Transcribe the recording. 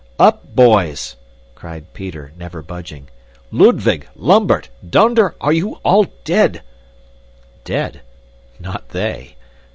"Up, boys!" cried Peter, never budging. "Ludwig! Lambert! Donder! Are you all dead?" Dead? Not they!